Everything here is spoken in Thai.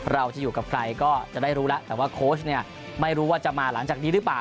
เราจะอยู่กับใครก็จะได้รู้แล้วแต่ว่าโค้ชเนี่ยไม่รู้ว่าจะมาหลังจากนี้หรือเปล่า